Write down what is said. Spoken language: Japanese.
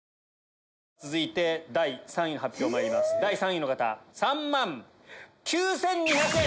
続いて第３位の発表まいります第３位の方３万９２００円！